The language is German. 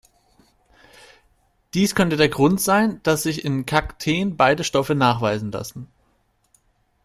Dies könnte der Grund sein, dass sich in Kakteen beide Stoffe nachweisen lassen.